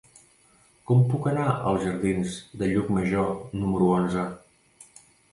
Com puc anar als jardins de Llucmajor número onze?